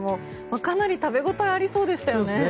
かなり食べ応えありそうでしたね。